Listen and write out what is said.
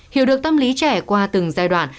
hiểu được tâm lý trẻ qua từng giai đoạn